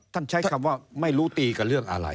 ใช้คำว่าไม่รู้ตีกับเรื่องอะไร